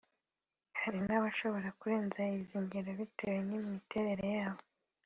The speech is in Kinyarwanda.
Hari n’abashobora kurenza izi ngero bitewe n'imiterere yabo